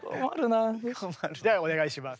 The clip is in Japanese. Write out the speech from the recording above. ではお願いします。